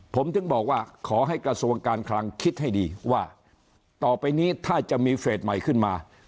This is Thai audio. ผมถึงบอกว่าขอให้กระทรวงการคลังคิดให้ดีว่าต่อไปนี้ถ้าจะมีเฟสใหม่ขึ้นมา